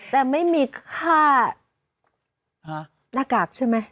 แต่ไม่มีค่าหน้ากากใช่ไหม